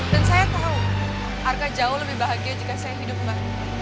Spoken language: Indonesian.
dan saya tahu arka jauh lebih bahagia jika saya hidup mbak